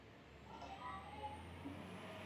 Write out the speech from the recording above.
ya asili kama vile kufukuzwa kwa gesi kutoka kwa ngombe